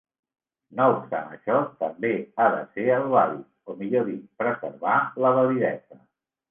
No obstant això, també ha de ser el vàlid, o millor dit, preservar la validesa.